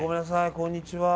こんにちは。